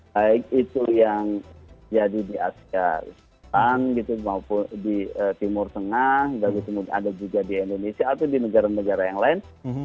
baik itu yang jadi di asian maupun di timur tengah ada juga di indonesia atau di negara negara yang lain